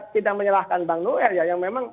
tidak menyerahkan bang noel ya yang memang